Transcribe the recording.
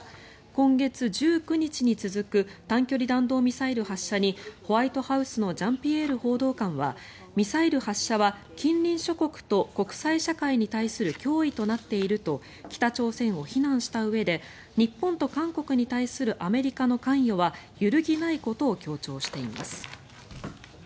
今月１９日に続く短距離弾道ミサイル発射にホワイトハウスのジャンピエール報道官はミサイル発射は近隣諸国と国際社会に対する脅威となっていると北朝鮮を非難したうえで日本と韓国に対するアメリカの関与は揺るぎないことを強調しています。